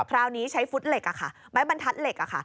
คราวนี้ใช้ฟุตเหล็กไม้บรรทัดเหล็ก